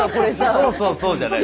そうそうそうじゃない。